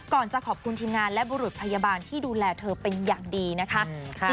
จะขอบคุณทีมงานและบุรุษพยาบาลที่ดูแลเธอเป็นอย่างดีนะคะ